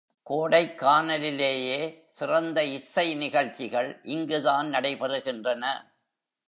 கோடைக்கானலிலேயே சிறந்த இசை நிகழ்ச்சிகள் இங்குதான் நடைபெறுகின்றன.